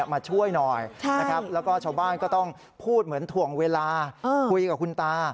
แล้วก็ชาวบ้านก็ต้องพูดเหมือนถ่วงเวลาคุยกับคุณตา